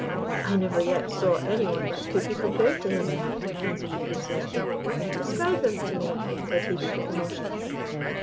"I never yet saw any one that could be compared to him," answered the Princess. "Describe, him to me," said Hebe, with emotion.